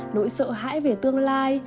nỗi sợ hãi về tương lai